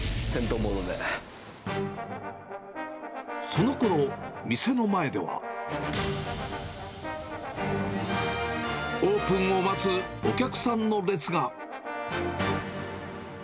そのころ、店の前では、オープンを待つお客さんの列が。